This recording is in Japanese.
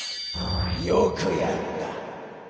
よくやった！